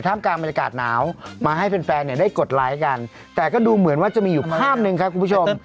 กลางบรรยากาศหนาวมาให้แฟนแฟนเนี่ยได้กดไลค์กันแต่ก็ดูเหมือนว่าจะมีอยู่ภาพหนึ่งครับคุณผู้ชม